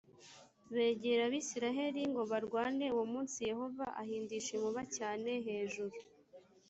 begera abisirayeli ngo barwane uwo munsi yehova ahindisha inkuba cyane hejuru